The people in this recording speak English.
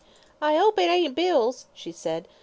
"I 'ope it ain't bills," she said. "Mr.